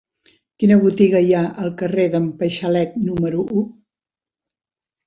Quina botiga hi ha al carrer d'en Paixalet número u?